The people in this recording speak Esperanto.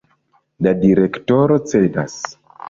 La direktoro cedas.